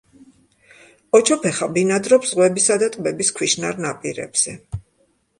ოჩოფეხა ბინადრობს ზღვებისა და ტბების ქვიშნარ ნაპირებზე.